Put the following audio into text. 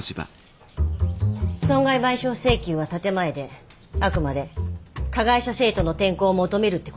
損害賠償請求は建て前であくまで加害者生徒の転校を求めるって事？